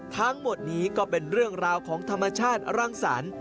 ทั้งหมดนี้ก็เป็นเรื่องราวของธรรมชาติรังสรรค์